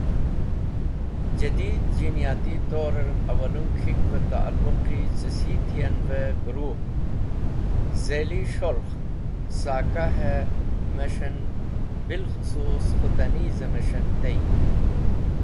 Jadied Jeinyati Torer Awalung K̃hikve Ta’luq ce Sythianve Guruhe Zeli S̃holkh Saka he Mes̃han bilkhusus Khutanize Mes̃han tey.